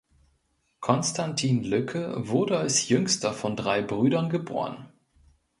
Constantin Lücke wurde als Jüngster von drei Brüdern geboren.